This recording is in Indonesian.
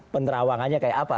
penterawangannya kayak apa